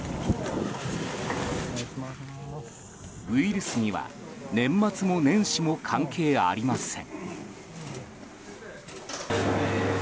ウイルスには年末も年始も関係ありません。